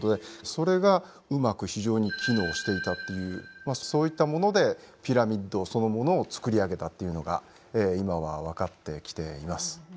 それがうまく非常に機能していたというそういったものでピラミッドそのものを造り上げたというのが今は分かってきています。